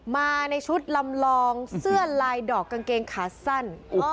มาในชุดลำลองเสื้อลายดอกกางเกงขาสั้น